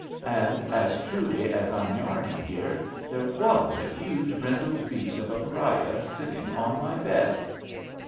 And, as truly as I'm yarning here, there was a huge brindled beast of a pariah sitting on my bed!